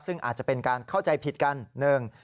ซึ่งอาจจะเป็นการเข้าใจผิดกันหนึ่ง